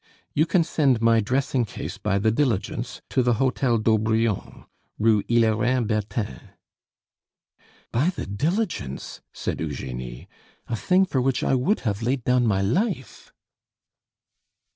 You can send my dressing case by the diligence to the hotel d'Aubrion, rue Hillerin Bertin. "By the diligence!" said Eugenie. "A thing for which I would have laid down my life!"